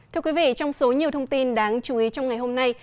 thưa quý vị trong số nhiều thông tin đáng chú ý trong ngày hôm nay